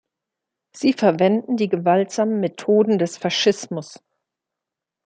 Sie verwenden die gewaltsamen Methoden des Faschismus.